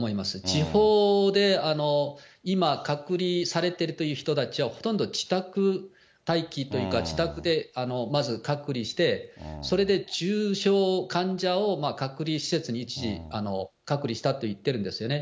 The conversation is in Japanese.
地方で今、隔離されてるという人たちはほとんど自宅待機というか、自宅でまず隔離して、それで重症患者を隔離施設に一時、隔離したと言ってるんですよね。